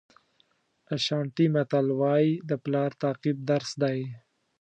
اشانټي متل وایي د پلار تعقیب درس دی.